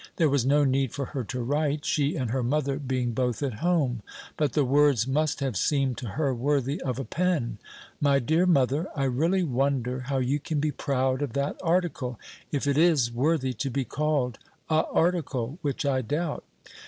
There was no need for her to write, she and her mother being both at home, but the words must have seemed to her worthy of a pen: "My dear mother, I really wonder how you can be proud of that article, if it is worthy to be called a article, which I doubt.